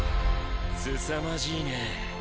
すさまじいね。